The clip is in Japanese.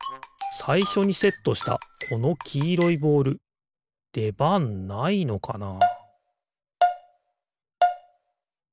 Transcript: さいしょにセットしたこのきいろいボールでばんないのかな？